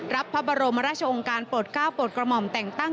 รับพระบรมรัชองการโปรต๙โปรตกระหม่อมแต่งตั้ง